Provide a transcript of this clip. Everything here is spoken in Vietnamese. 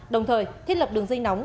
đồng thời thiết lập đường dây nóng